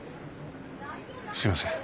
すいません。